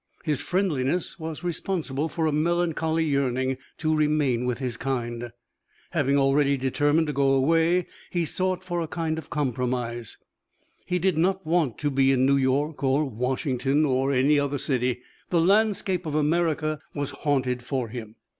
His friendlessness was responsible for a melancholy yearning to remain with his kind. Having already determined to go away, he sought for a kind of compromise. He did not want to be in New York, or Washington, or any other city; the landscape of America was haunted for him.